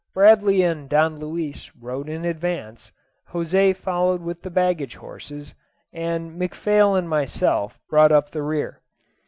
Bradley and Don Luis rode in advance, José followed with the baggage horses, and McPhail and myself brought up the rear.